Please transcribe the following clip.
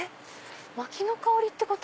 薪の香りってこと？